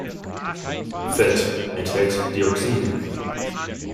Fett enthält Dioxine.